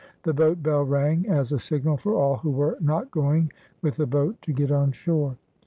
The boat bell rang, as a signal for all who were not going with the boat to get on shore.